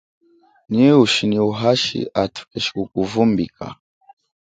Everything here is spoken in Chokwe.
Nyi ushi nyi uhashi athu keshi kukuvumbika.